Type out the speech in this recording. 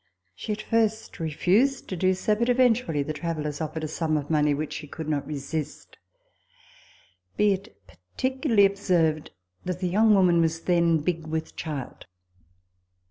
She at first refused to do so ; but eventu ally the travellers offered a sum of money which she could not resist. Be it particularly observed that the young woman was then big with child.